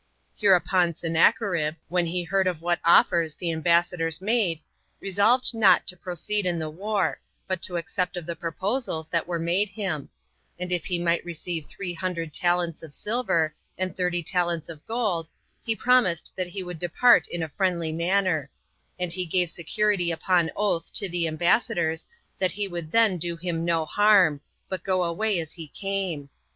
Hereupon Sennacherib, when he heard of what offers the ambassadors made, resolved not to proceed in the war, but to accept of the proposals that were made him; and if he might receive three hundred talents of silver, and thirty talents of gold, he promised that he would depart in a friendly manner; and he gave security upon oath to the ambassadors that he would then do him no harm, but go away as he came.